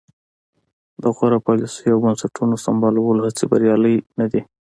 د غوره پالیسیو او بنسټونو سمبالولو هڅې بریالۍ نه دي.